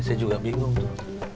saya juga bingung tuh